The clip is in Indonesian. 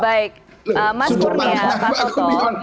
mas kurniawan pak toto